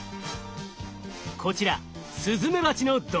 こちらスズメバチの毒針。